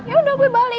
yaudah gue balik